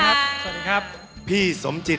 มาเยือนทินกระวีและสวัสดี